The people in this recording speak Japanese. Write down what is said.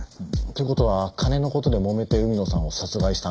という事は金の事でもめて海野さんを殺害したんですかね？